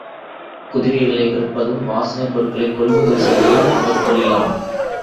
குதிரைகள் விற்பதும், வாசனைப் பொருள்களைக் கொள்முதல் செய்வதும் அவர்தொழிலாம்.